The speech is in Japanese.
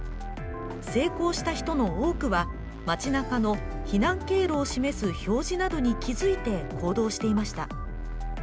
成功した人の多くは、街なかの避難経路を示す表示などに気づいて行動していました。